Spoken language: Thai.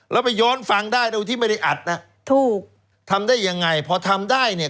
แล้วไปย้อนฟังได้โดยที่ไม่ได้อัดนะถูกทำได้ยังไงพอทำได้เนี่ย